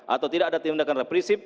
atau tidak ada tindakan reprisip